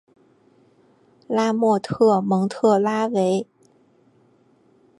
拉莫特蒙特拉韦。